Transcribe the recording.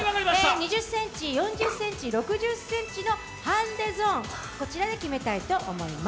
２０ｃｍ、４０ｃｍ、６０ｃｍのハンデゾーン、こちらで決めたいと思います。